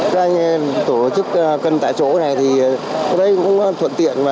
các anh tổ chức cân tải chỗ này thì tôi thấy cũng thuận tiện